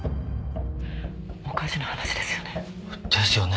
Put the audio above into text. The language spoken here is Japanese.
おかしな話ですよね。ですよね。